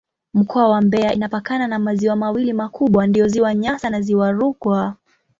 Mkoa wa Mbeya inapakana na maziwa mawili makubwa ndiyo Ziwa Nyasa na Ziwa Rukwa.